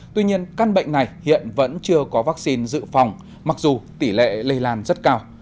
tuy nhiên căn bệnh này hiện vẫn chưa có vaccine dự phòng mặc dù tỷ lệ lây lan rất cao